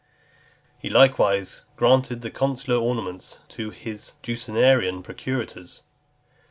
XXIV. He likewise granted the consular ornaments to his Ducenarian procurators.